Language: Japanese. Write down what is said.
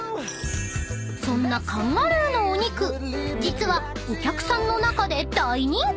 ［そんなカンガルーのお肉実はお客さんの中で大人気］